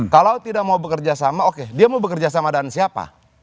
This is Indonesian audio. kalau tidak mau bekerja sama oke dia mau bekerja sama dengan siapa